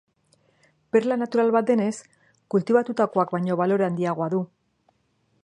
Perla natural bat denez, kultibatutakoak baino balore handiagoa du.